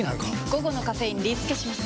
午後のカフェインリスケします！